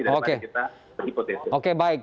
daripada kita berhipotesis oke baik